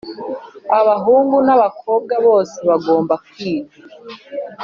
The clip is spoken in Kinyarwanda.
Abahungu n’abakobwa bose bagomba kwiga.